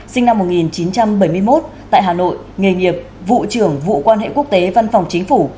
sinh năm một nghìn chín trăm bảy mươi một tại hà nội nghề nghiệp vụ trưởng vụ quan hệ quốc tế văn phòng chính phủ